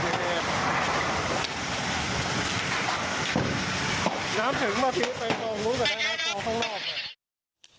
น้ำเฉิงมาทิ้งไปตรงนู้นแต่ได้แล้วตรงข้างนอกเลย